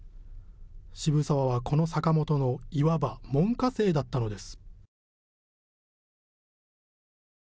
渋沢はこの坂本のいわば門下生だったのです。